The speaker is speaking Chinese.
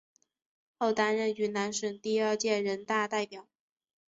后担任云南省第二届人大代表。